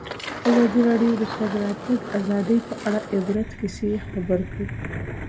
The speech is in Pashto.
ازادي راډیو د د تګ راتګ ازادي په اړه د عبرت کیسې خبر کړي.